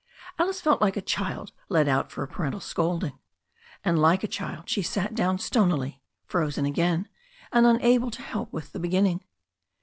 Alice felt like a child led out for a parental scolding. And like a child she sat down stonily, frozen again, and unable to help with the beginning.